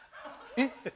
えっ？